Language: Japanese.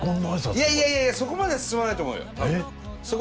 いやいやいやいやそこまで進まないと思うよ多分。